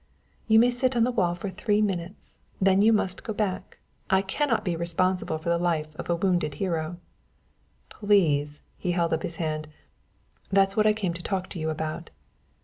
"You may sit on the wall for three minutes; then you must go back. I can not be responsible for the life of a wounded hero." "Please!" He held up his hand. "That's what I came to talk to you about."